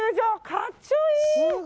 かっちょいい！